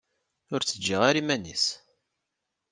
Ur tt-ǧǧiɣ ara iman-is.